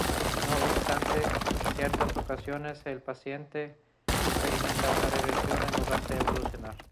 No obstante, en ciertas ocasiones el paciente experimenta una regresión en lugar de evolucionar.